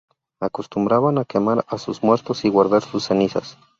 Acostumbraban a quemar a sus muertos y guardar sus cenizas.